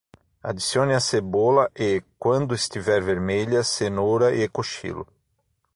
Adicione a cebola e, quando estiver vermelha, cenoura e cochilo.